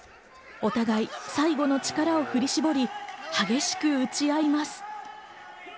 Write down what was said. お互い最後の力を振り絞り、激しく打ち合います。